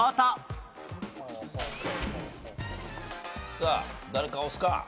さあ誰か押すか？